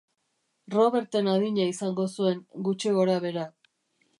Roberten adina izango zuen gutxi gorabehera.